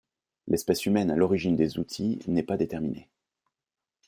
L'espèce humaine à l'origine des outils n'est pas déterminée.